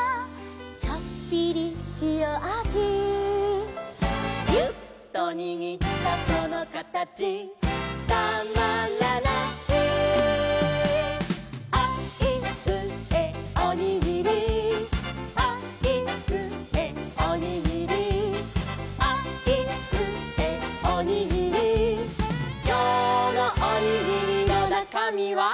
「ちょっぴりしおあじ」「ギュッとにぎったそのかたちたまらない」「あいうえおにぎり」「あいうえおにぎり」「あいうえおにぎり」「きょうのおにぎりのなかみは？」